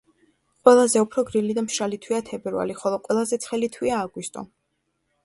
ყველაზე უფრო გრილი და მშრალი თვეა თებერვალი, ხოლო ყველაზე ცხელი თვეა აგვისტო.